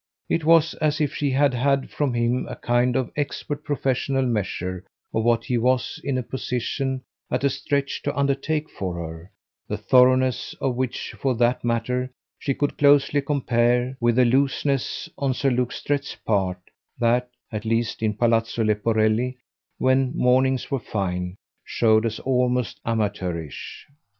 It was as if she had had from him a kind of expert professional measure of what he was in a position, at a stretch, to undertake for her; the thoroughness of which, for that matter, she could closely compare with a looseness on Sir Luke Strett's part that at least in Palazzo Leporelli when mornings were fine showed as almost amateurish.